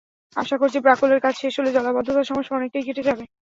আশা করছি প্রকল্পের কাজ শেষ হলে জলাবদ্ধতার সমস্যা অনেকটাই কেটে যাবে।